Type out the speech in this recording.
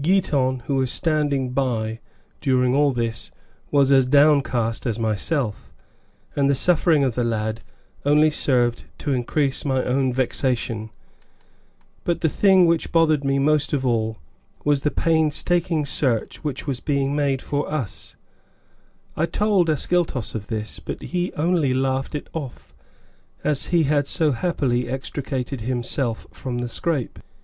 Giton, who was standing by during all this, was as downcast as myself, and the suffering of the lad only served to increase my own vexation, but the thing which bothered me most of all, was the painstaking search which was being made for us; I told Ascyltos of this, but he only laughed it off, as he had so happily extricated himself from the scrape.